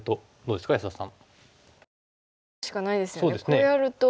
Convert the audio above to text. こうやると。